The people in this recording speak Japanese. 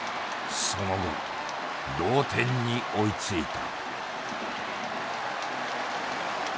その後同点に追いついた。